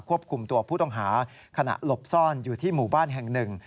คุมตัวผู้ต้องหาขณะหลบซ่อนอยู่ที่หมู่บ้านแห่งหนึ่ง